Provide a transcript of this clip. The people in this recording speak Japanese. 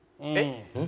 えっ？